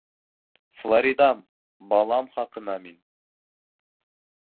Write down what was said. Флоридам... балам хаҡына мин...